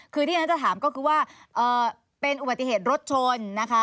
คือที่อาจารย์จะถามก็คือว่าเอ่อเป็นเอาประตูไหทรุดชนนะคะ